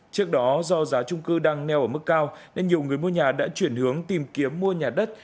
trước đó do giá trung cư đang neo ở mức cao nên nhiều người mua nhà đã chuyển hướng tìm kiếm mua nhà đất